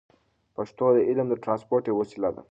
پښتو د علم د ترانسپورت یوه وسیله ده.